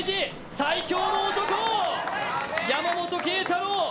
最強の男、山本桂太朗。